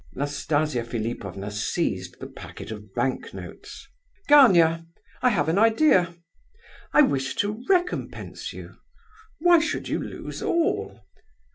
Nastasia Philipovna seized the packet of bank notes. "Gania, I have an idea. I wish to recompense you—why should you lose all?